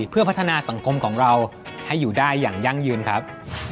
เพื่อพัฒนาสังคมของเราให้อยู่ได้อย่างยั่งยืนครับ